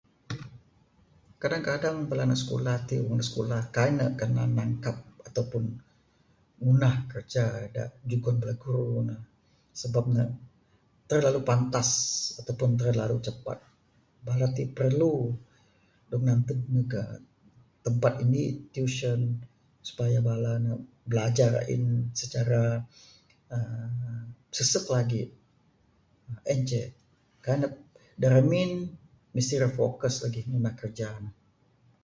Kadang kadang bala anak skulah tik, wang ne skulah kai ne kanan nangkap atau pun ngundah kraja da jugon bala guru ne. Sebab ne terlalu pantas atau pun terlalu cepat, Bala tik perlu dog nantud nduh uhh tempat indik tuisyen supaya bala ne blajar a'in secara uhh sesuk lagi. Mung en ceh. Da ramin, mesti ra fokus lagi ngundah kerja ne.